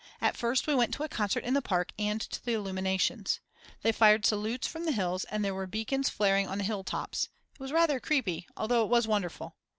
At first we went to a concert in the park and to the illuminations. They fired salutes from the hills and there were beacons flaring on the hill tops; it was rather creepy although it was wonderful.